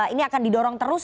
ini akan didorong terus